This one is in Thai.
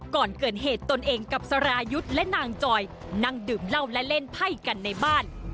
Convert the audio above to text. ก่อนเกิดเหตุตนเองกับสรายุทธ์และนางจอยนั่งดื่มเหล้าและเล่นไพ่กันในบ้าน